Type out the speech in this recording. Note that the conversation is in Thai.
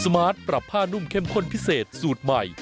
มาร์ทปรับผ้านุ่มเข้มข้นพิเศษสูตรใหม่